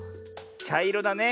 ちゃいろだね。